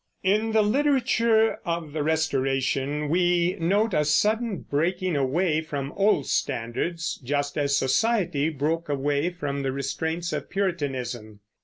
In the literature of the Restoration we note a sudden breaking away from old standards, just as society broke away from the restraints of Puritanism.